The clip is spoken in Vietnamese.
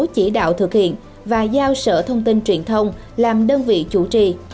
chỉ đạo thực hiện và giao sở thông tin truyền thông làm đơn vị chủ trì